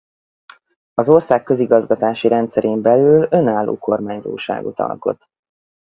Az ország közigazgatási rendszerén belül önálló kormányzóságot alkot.